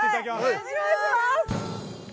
お願いします！